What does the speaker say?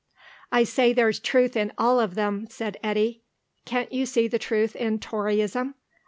"I say there's truth in all of them," said Eddy. "Can't you see the truth in Toryism?